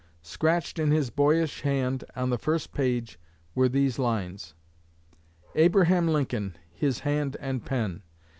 Scratched in his boyish hand on the first page were these lines: _Abraham Lincoln his hand and pen.